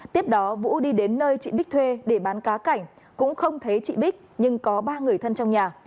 tiếp đó vũ đi đến nơi chị bích thuê để bán cá cảnh cũng không thấy chị bích nhưng có ba người thân trong nhà